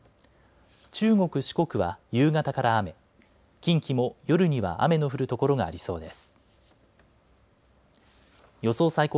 中国、四国は夕方から雨、近畿も夜には雨の降る所がありそうです。